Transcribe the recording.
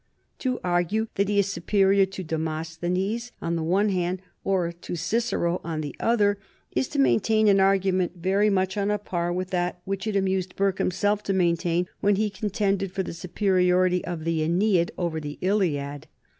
To argue that he is superior to Demosthenes on the one hand, or to Cicero on the other, is to maintain an argument very much on a par with that which it amused Burke himself to maintain when he contended for the superiority of the "Aeneid" over the "Iliad."